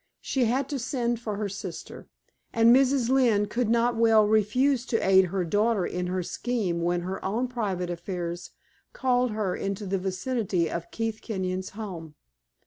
She had to send for her sister, and Mrs. Lynne could not well refuse to aid her daughter in her scheme when her own private affairs called her into the vicinity of Keith Kenyon's home.